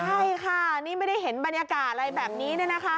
ใช่ค่ะนี่ไม่ได้เห็นบรรยากาศอะไรแบบนี้เนี่ยนะคะ